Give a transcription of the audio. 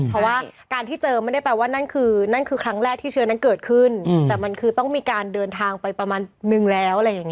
เพราะว่าการที่เจอมันไม่ได้แปลว่านั่นคือครั้งแรกที่เชิงนั้นเกิดขึ้นแต่มันคือต้องมีการเดินทางไปประมาณนึงแล้ว